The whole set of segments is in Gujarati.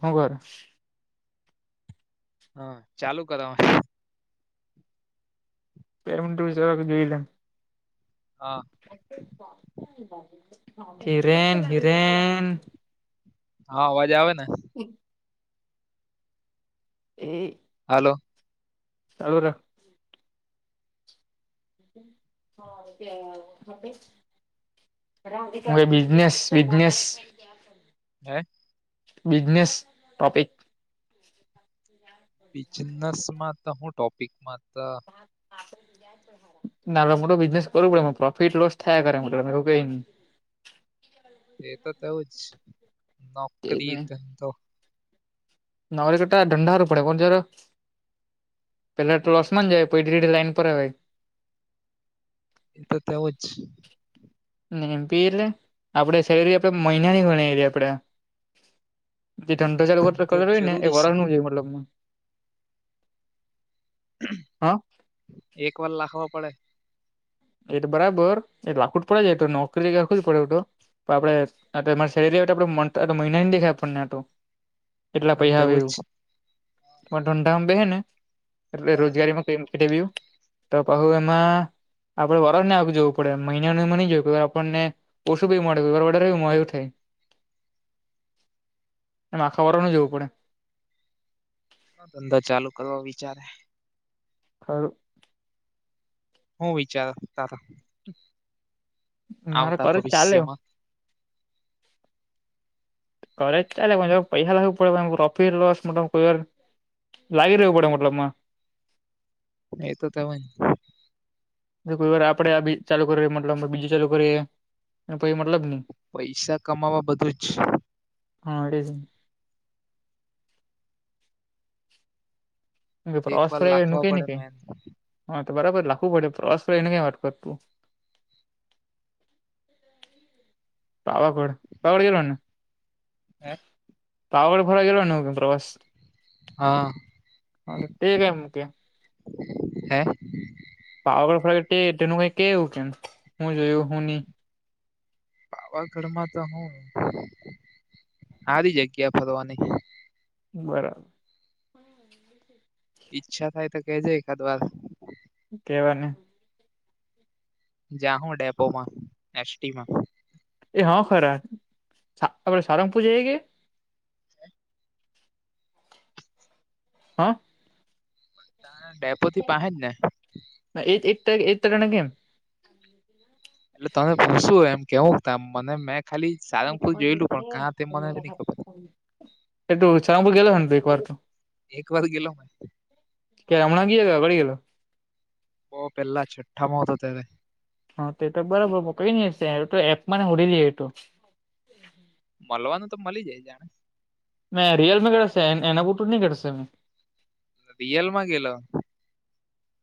હું કરે હા ચાલુ કરાવા પેમન્ટ વિસે જરાક જોઈલે હા હિરેન હિરેન હા અવાજ આવે ને હમ એ હાલો ચાલુ રાખ [inaudible] હ ભઈ બિઝનેસ બિજનેસ હે બિઝનેસ ટોપિક બિઝનેસમાં તો હું ટોપિકમાં ત. હા [inaudible] ના આપડે મોટો બિઝનેસ કરવું પડે એમાં પ્રોફિટ લોસ થાય કરે એવું કઈની તે તો તેવુંજ કઈ નોકરી ની ધંધો. નોકરી કરતા ધંદા હારૂ પડે કોનજર પેલા તો લોસમાં જાય પઈ ધીરે-ધીરે લાઈન પર આવે. એ તો તેવું જ. ને એમ પી એટલે આપડે સેલરી આપડે મહિનાની ગણાય એવી આપડે. જે ધંધો ચાલુ કરતો એ રેય ને જરૂરી છે વરહુ નુ હોયે મતલબમાં હા એક વાર લાખવા પડે. એતો બરાબર એતો લાખવું ત પડે જ તો નોકરી આખું જ પડે એવુ તો. તો આપડે તેમાં [unintelligible] એટલા પૈહા આવે તેવું જ એવું પણ ધંધામાં બેહે ને એટલે રોજગારીમાં ઇન્ટરવ્યુ તો કવું એમાં આપડે વરહ ને આવું જવું પડે મહિનાનું ન જોયું આપણને. ઓછું બી મળે કોય વાર વધારે મળે એવું થાય. એમા આખા વરહ નું જોવું પડે ધંધા ચાલુ કરવા વિચારે હારું હું વિચાર તારા મારે આવતા કરે ચાલે ભવિષ્યમાં. કોલેજ ચાલે પૈસા લાગુ પડે પ્રોફિટ લોસ મત કોય વાર લાગી રેવું પડે મતલબમાં. એતો તેમે કોઈ વાર આપડે આ બે ચાલુ કરી મતલબ બીજું ચાલુ કરીએ અને કોઈ મતલબ ની પૈસા કમાવા બધું જ હા તેજને એક પ્રવાસ વાર ફરી આવ્યા એનું લાખવા કેની પડે કય મેન હ તો બરાબર લખવું પડે પ્રવાસ ફરી આવ્યા એને કઈ વાત કરતું. પાવાગઢ પવાગઠ ગેલો ને હે પાવાગઢ ફરવા ગેલો ને પ્રવાસ હા હા તો તે કેમ કે હે પાવાગઢ ફરવા ગેલો તે તેનું કય કે એમ કેમ હુ જોયું હું ની પાવાગઢ માં તો હું સારી જગ્યા ફરવાની બરાબર ઈચ્છા થાય તો કે જે એકાદ વાર કેવા ને જાહું ડેપોમાં એસટીમાં એ હા ખરા આપડે સારંગપુર જયે કે હ તા ડેપો થી પાહે જ ને? હ એ જ ત એજ તને કેમ એટલે તમે પૂછો એમ કેવું મને મેં ખાલી સારંગપુર પેટમાં જોયેલું પણ દુખે કા તે મને નહી ખબર [unintelligible] એ તું ચાંગુ ગેલો ને તો એક વાર તો એક વાર ગેલો મે કે હમણાં કે ગેલો અગાડી ગેલો. બો પહેલા છઠ્ઠમાં હોતો ત્યારે હા તે તો બરોબર કઈ નઈ હશે એપમાં હોડી લાયે એતો. મલવાનું તો મલી જાય છે ને મેં રિયલ [unintelligible] કરશે એના પરુતુ ની કરશે મેં. રિયલમાં ગેલો.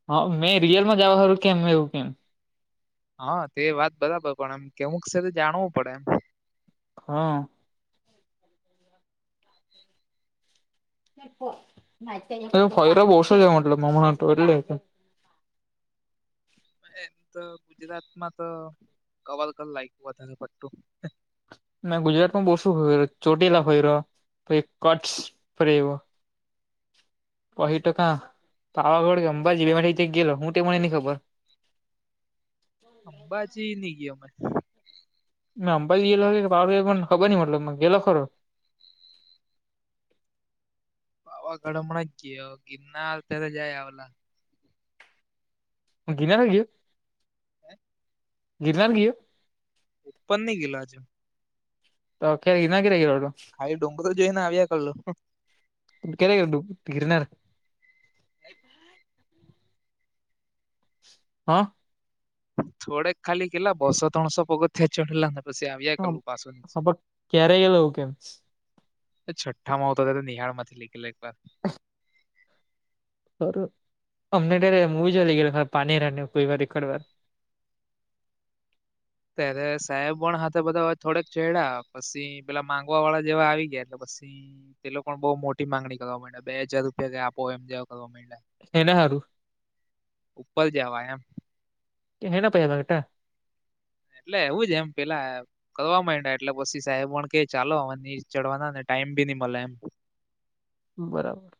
હ મેં રિયલમાં જવા હારું કેમ એવું કેમ. હા તે વાત બરાબર પણ એમ કે અમુક છે તો જાણવું પડે એમ. હા. ફયરો બહસો જ મતલબમા હમણા એટલે. એમ તો ગુજરાતમાં તો કવર લાઈક લાયકું વધારે પડતું. મેં ગુજરાત માં બો શું ફરિયો ચોટીલા ફરિયો કોઈ કટ્સ [unintelligible] એવો. કહીટકા પાવાગઢ ગ અંબાજી બે મેઠ ગેલો હુંટે મને નની ખબર. અંબાજી ની ગીયો મલે મેં અંબાજી ગેલો કે પાવાગઢ ગેલો કે ખબર ની મલે મતલબ ગેલો ખરો. પાવાગઢ હમણાં જ ગીયો ગિરનાર ત્યારે જય આવેલા. ગિનાર ગીયયો ગીનાર ગીયયો. ઉપર ની ગેલો આજે. તો કેે [unintelligible] ગેલો હતો ખાલી ડુંગર જોઈ ને આવ્યા કરેલો કયારે [unintelligible] ગીરનાર. [inaudible] હા. થોડે ખાલી ગેલા બર્સો ત્રણસો પગથીયા ચઢલાને પછી આ હ ક્યારે ગયેલો એ કેમ. છઠ્ઠામાં હતો ત્યારે નિહાળ માંથી લઈ ગયેલા એક વાર. હહ અમને ત્યારે મૂવી જોવા લઇ ગયેલા [unintelligible] એકજ વાર. ત્યારે સાહેબ પણ હાથે બધા થોડેક ચડીયા પસી પેલા માંગવા વાળા જેવા આવી ગયા એટલે પસી તે લોકો બઉ મોટી માંગણી કરવા મંડ્યા બે હજાર રૂપિયા કે આપો એમ જેવા કરવા મંડ્યા હેના હારું. ઉપર જવા એમ. હેના પેહા [unintelligible] એટલે એવું જ એમ પેલા. કરવા મંડ્યા એટલે પસી સાહેબ વણ કે ચાલો આમા ની ચડવાના ને ટાઈમ બી ની મળે એમ. બરાબર.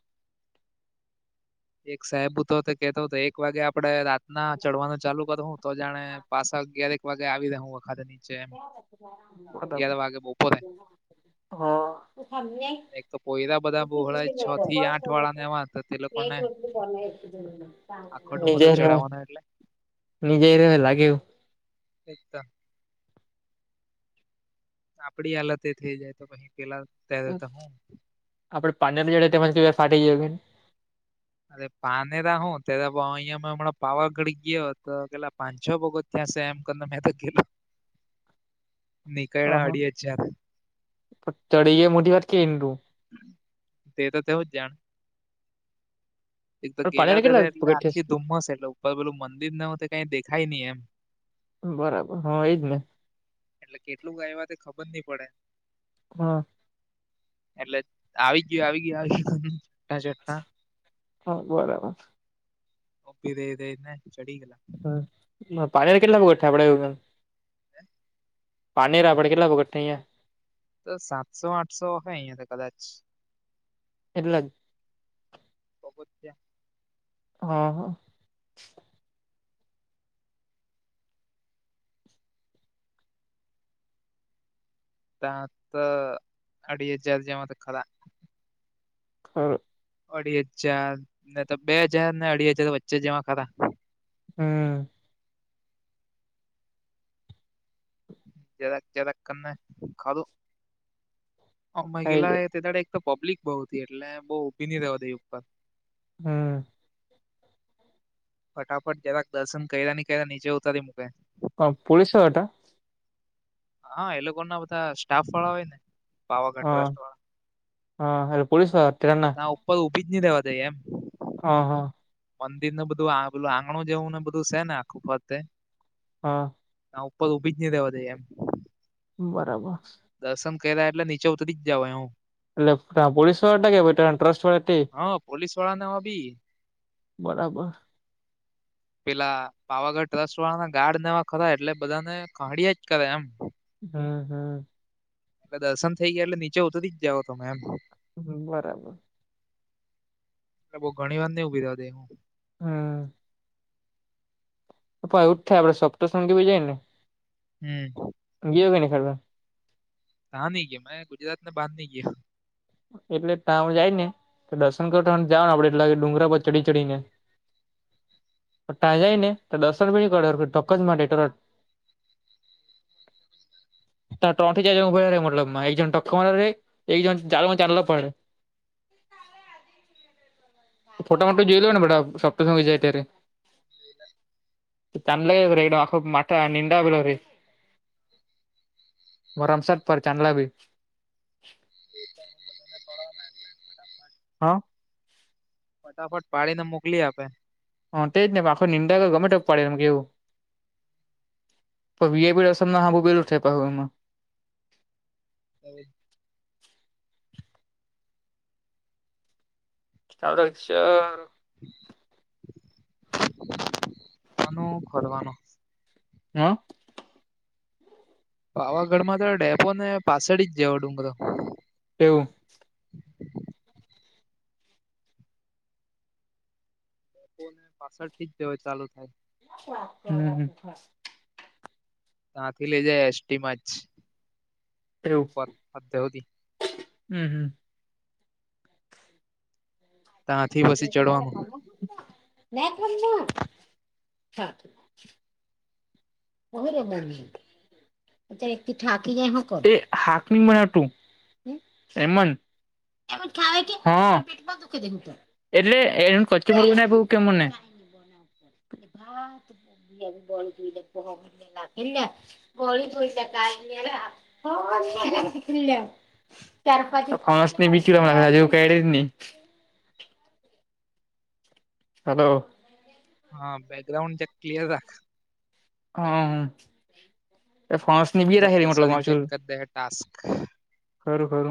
એક સાહેબ ઉતો તો કેતો તો એક વાગે આપડે રાત ના ચડવાનું ચાલુ કરું હું તો જાણે પાસા અગ્યારેક વાગે આવી રેહુ વખાત ની. બપોરે હા [unintelligible] એક તો પોયરા બધા બોહોળાય છ થી આઠ વાળા ને એવા તે લોકો ને [unintelligible] ચઢાવવાનો એટલે લાગે એવું એકદમ. આપડી હાલત એ થઈ જાય તો પછી પેલા. ત્યારે તો હું આપડે પા લ જોડે તેજ કેવી વાર ફાટી જયો ને. અરે પાનેરા હું ત્યારે અહીંયા હમણાં પાવાગઢી ગયો તો પેલા પાંચ છ વગો. ત્યા શે એમ કેને મે તો કીધું અઢી હજાર અહહ ચડીયે એ મોટી વાત કેને તું. તે તો તેવજ જાણે. એક તો પણ પાનેરા ગેલા ત્યારે કેટલા એટલે આખી પગથિયા ધુમ્મસ એટલે ઉપર પેલું મંદિર નર એવું તો કઈ દેખાય નહી એમ. બરાબર હ એજ ને. એટલે કેટલુંક આવયા એ ખબર ની પડે. હા. એટલે આવી ગયું આવી ગયું આવી [unintelligible] હા બરાબર [unintelligible] ચડી ગેલા હ પાણી ને કેટલા [unintelligible] [inaudible] પારનેરા પર કેટલા વખત થયાં તો સાતસો આઠસો હ અહિયાંયા તો કદાચ એટલા જ [unintelligible] હા હા તા તો અઢી હજાર જેવાતો ખરા. હમ્મ અઢી હજાર ને તો બે હજાર ને અઢી હજાર વચ્ચે જેવા ખરા. હમ્મ જરાક જરાક કરને ખાધું અ થઈ મહિલા જાય એ તેદાડે તો પબ્લિક બો હુતી એટલે બો ઉભિ નિ રેવા દેય ઉપર હમ્મ ફટાફટ જરાક દર્શન કયરા ની કયરા નીચે ઉતારી મૂકે. કોણ પોલીસો હતા? હા એ લોકો ના બધા સ્ટાફ વાળા હોય ને પાવાગઢ ટ્રસ્ટ વાળા. હા હ પોલીસ અત્યારના કોઈ ઊભી જ ની રેવા દેય એમ. હ હ મંદિર ને બધું આ પેલું આંગણું જેવું ને બધું સે. ને આખું ફરતે હા ના ઉપર ઊભી જ ની રેવા દેય એમ બરાબર દર્શન કર્યા એટલે નીચે ઉતરી જવાયું. એટલે પોલીસ વાળા હટા કે ટ્રસ્ટ વાળા તે- હા પોલીસ વાળ ને એવા બી બરાબર પેલા પાવાગઢ ટ્રસ્ટ વાળાના ગાર્ડ ને એવા ખરા એટલે બધાને ખહડિયા જ કરે એમ હમ્મ હમ્મ એટલે દર્શન થઈ ગયા એટલે નીચે ઉતર જાવઓ તમે એમ. હ બરાબર એ બો ઘણી વાર ની ઉભી રેવા દેય હું? હમ્મ હ તે એવું જ થાય આપડે સપ્તશૃંગી બી જાય ને. હમ્મ ગીયો કે ની [unintelligible] તા નઈ ગીયો મેં ગુજરાતના બાર ની ગીયો. એટલે તાવ જાય ને તો દર્શન કરતા જાવ આપડે એટલા કે ડુંગરા પર ચડી ચડીને તાં જાય ને તો દર્શન બી ની કરવા દે હરખું ધક્કોજ મારી દેય તરત તા તન થી ચાર જણ ઉભા રે રે મલબમાં એક જણ ધક્કો મારવા રેય એક જન ચાલવા [inaudible] પડે ફોટામાં બી જોઈલુ ને બધા સપ્તશૃંગી જાય ત્યારે [unintelligible] [unintelligible] વમસદ પર ચાંદલા વીર એ તો હું બધાને પડો [unintelligible] હા. ફટાફટ પાડી ને મોકલી આપે. હ તે જ ને આખો નિંદા ગમે તે પડે એમ કેવું. પણ વીઆપી રસમ ના [unintelligible] પું એમાં. હવે. ખીતાબ રહ છે. પવાનું ફરવાનું. હા. પાવાગઢ માં તો ડેપો ને પાછળ જ જેવો ડુંગરો. એવુ ફોન એ પાસવૉર્ડ થીજ ચાલુ થાય. હમ્મ ત્યાથી લઈ જાય એસટી માજ હમ્મ હમ્મ ત્યાંથી પછી ચડવાનું [unintelligible] બરોબર અત્યારે તું થાકી હ હાક મનાતું [unintelligible] એટલે એ કચ્ચુંવું ના આપું કે મને. [unintelligible] ગોળ ક શી. ચ પાં ફણસ બીચ હજવું કે નને. હલો. હા બ બેકગ્રાઉન્ડ જેક ક્લિયર રાખ. હ એ ફણસ નિ બ રાખે મતલબ પાછળથી ચેક માચલ. કરી દે ટાસ્ક ખરું ખરું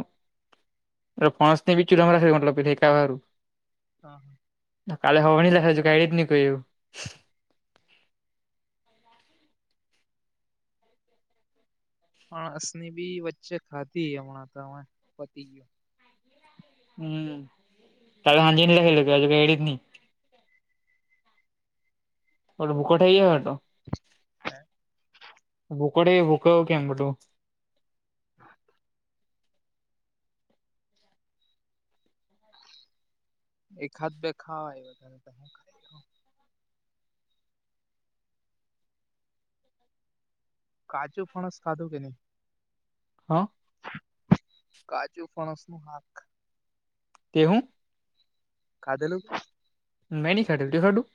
એ ફસ ને બીચું તમારા મત પેેકારું. હા હા. કાલે હોવા ન લાગે કડી જ ન કોઈ એવું. [unintelligible] ની બી વચ્ચે ખાધી હમણાં તમે પતી ગયયો. હમ્મ [unintelligible] ઓલો ભૂખો થઈ ગયો હોતે હે. બુકડ બુક કમ મોટું. હા. એકાદ બે ખા [unintelligible] કાચું ફળશ ખાધું કે નં. હા કાછુ ફણસ નું હાક તે હું. ખા ધેલું મેં ની ખાધેલું તે ખાધૂ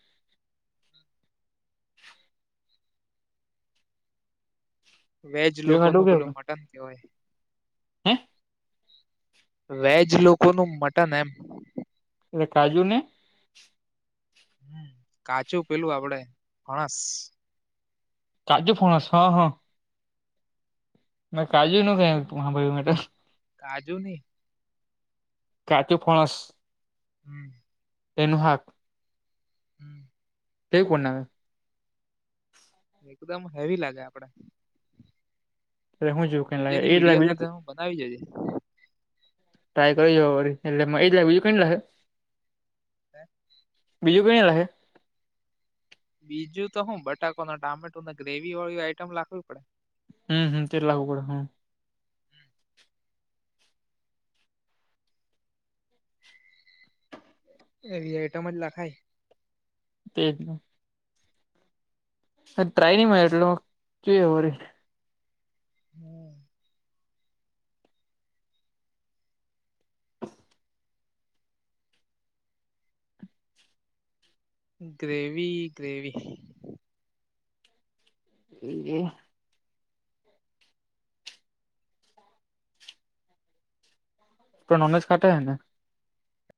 વેજ તે લોકો ખાધું નુ પેલું કે મટન કેવાય. હે વેજ લોકો નુ મટન એમ. એટલે કાજુ ને. હમ્મ કાચું પેલું આપડે ફણસ કાજુ ફણસ હા હા. મેં કાજુ નું ખાય હાંભળ્યું કાજુ ની. કાછુ ફણસ હમ્મ. તેનું શાક હમ્મ. કેવું બનાવે એકદમ હેવી લાગે આપડે એટલે હું જોવું કેમ જોજે લાગે એ ને જ લાગે વિડીયોને બીજું કઈ. સાથે બનાવી જોજે ટ્રાય કરી જો વાડી એજ નાંખે બીજું કેઈ ની નાખે [inaudible] બીજું કોઈ [unintelligible] બીજું તો હું બટાકો ના ટામેટો ગ્રેવી વાળી આઈટમ લખવી પડે. હમ્મ હમ્મ તે લાગુ પડે હામ. હમ્મ. એવી એવી આઈટમ જ લખાય. તે તો. તે ટ્રાયની માર્યો જોઈએ વાળી. હા. ગ્રેવી ગ્રેવી એ ય આપ ઓનોજ કાટે હે ને.